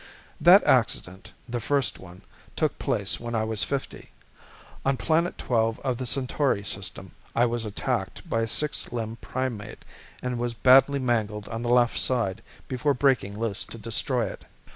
That accident, the first one, took place when I was fifty. On Planet 12 of the Centauri System I was attacked by a six limbed primate and was badly mangled on the left side before breaking loose to destroy it.